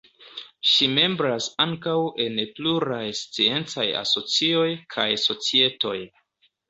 Ŝi membras ankaŭ en pluraj sciencaj asocioj kaj societoj.